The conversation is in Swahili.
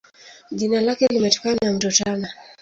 Jina lake limetokana na Mto Tana.